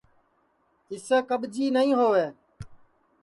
اِسے کٻجی نائی ہؤے